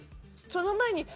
その前に。